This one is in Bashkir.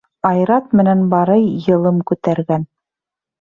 Айрат менән Барый йылым күтәргән.